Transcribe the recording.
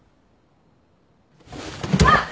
あっ！